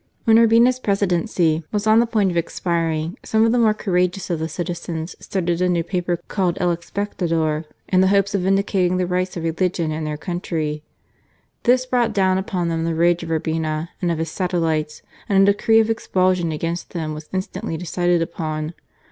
When Urbina's Presidency was on the point of expiring, some of the more courageous of the citizens started a new paper called El Expectador, in the hopes of vindicating the rights of religion and their country. This brought down upon them the rage of Urbina and of his satellites, and a decree of expul sion against them was instantly decided upon.